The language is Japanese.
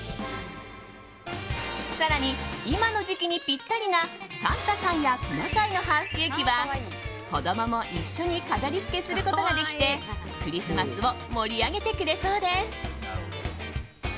更に、今の時期にぴったりなサンタさんやトナカイのハーフケーキは子供も一緒に飾りつけすることができてクリスマスを盛り上げてくれそうです。